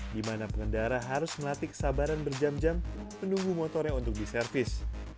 di mana pengendara harus melatih kesabaran berjam jam menunggu motornya untuk diservis